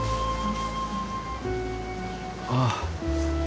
ああ。